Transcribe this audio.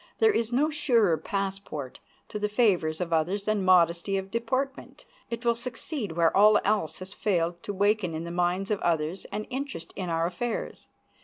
There is no surer passport to the favors of others than modesty of deportment. It will succeed where all else has failed to waken in the minds of others an interest in our affairs.